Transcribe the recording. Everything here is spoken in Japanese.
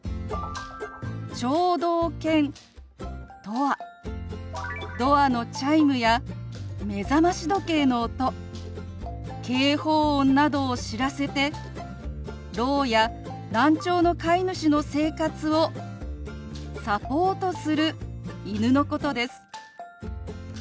「聴導犬」とはドアのチャイムや目覚まし時計の音警報音などを知らせてろうや難聴の飼い主の生活をサポートする犬のことです。